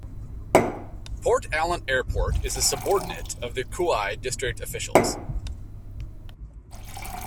Port Allen Airport is a subordinate of the Kauai District officials.